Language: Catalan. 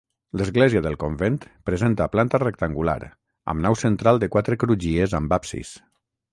L'església del convent presenta planta rectangular, amb nau central de quatre crugies amb absis.